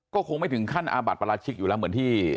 ก็คงไม่ถึงขั้นอาบัติประราชิกอยู่แล้วเหมือนที่